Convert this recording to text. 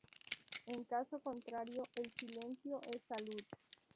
En caso contrario el silencio es salud.